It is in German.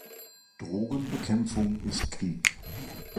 Drogenbekämpfung ist Krieg.